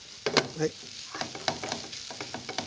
はい。